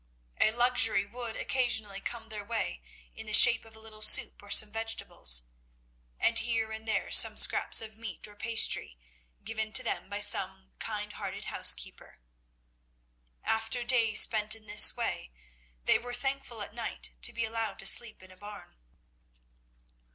A luxury would occasionally come their way in the shape of a little soup or some vegetables, and here and there, some scraps of meat or pastry, given to them by some kind hearted housekeeper. After days spent in this way, they were thankful at night to be allowed to sleep in a barn.